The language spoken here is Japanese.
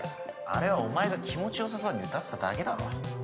あれはお前が気持ちよさそうに歌ってただけだろ。